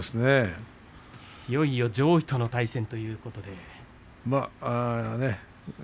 いよいよ上位との対戦ということになりますね。